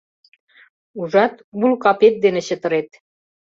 Ужат, уло капет дене чытырет.